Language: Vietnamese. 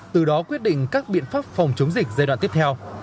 từ đó quyết định các biện pháp phòng chống dịch giai đoạn tiếp theo